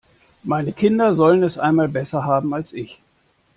Meine Kinder sollen es einmal besser haben als ich.